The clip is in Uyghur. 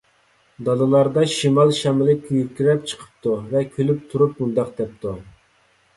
دالىلاردا شىمال شامىلى گۈركىرەپ چىقىپتۇ ۋە كۈلۈپ تۇرۇپ مۇنداق دەپتۇ.